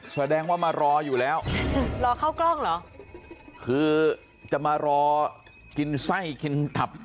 แสดงว่ามารออยู่แล้วรอเข้ากล้องเหรอคือจะมารอกินไส้กินตับ